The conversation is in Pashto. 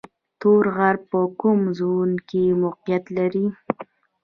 تور غر په کوم زون کې موقعیت لري؟